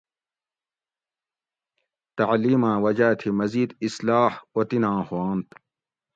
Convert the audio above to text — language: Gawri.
تعلیماۤں وجاۤ تھی مزید اصلاح اوطناں ھوانت